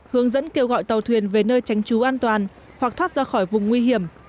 hướng dẫn kêu gọi tàu thuyền về nơi tránh trú an toàn hoặc thoát ra khỏi vùng nguy hiểm